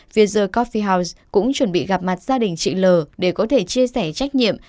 vì the coffee house cũng chuẩn bị gặp mặt gia đình chị l để có thể chia sẻ trách nhiệm